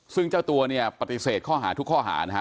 ซึ่งเจ้าตัวเนี่ยปฏิเสธข้อหาทุกข้อหานะฮะ